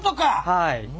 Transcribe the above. はい。